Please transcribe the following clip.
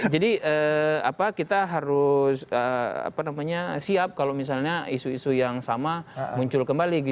jadi kita harus siap kalau misalnya isu isu yang sama muncul kembali